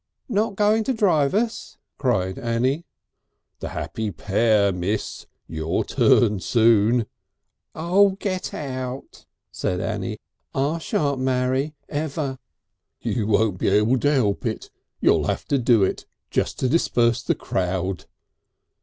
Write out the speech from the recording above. "Not going to drive us?" cried Annie. "The happy pair, Miss. Your turn soon." "Get out!" said Annie. "I shan't marry ever." "You won't be able to help it. You'll have to do it just to disperse the crowd."